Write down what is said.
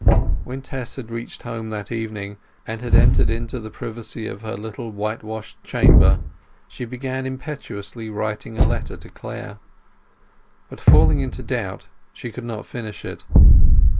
When Tess had reached home that evening, and had entered into the privacy of her little white washed chamber, she began impetuously writing a letter to Clare. But falling into doubt, she could not finish it.